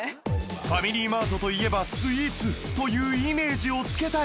ファミリーマートといえばスイーツというイメージをつけたい！